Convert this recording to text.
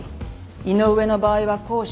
井上の場合は後者。